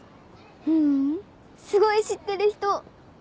ううんすごい知ってる人！